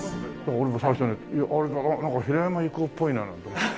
俺も最初になんか平山郁夫っぽいななんて。